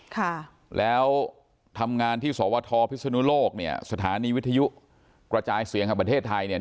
ค่ะแล้วทำงานที่สวทพิศนุโลกเนี่ยสถานีวิทยุกระจายเสียงแห่งประเทศไทยเนี่ย